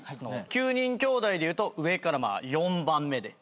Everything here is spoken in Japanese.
９人きょうだいでいうと上から４番目で。